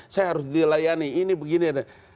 saya harus dilayani ini begini